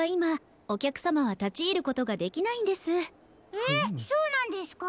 えっそうなんですか？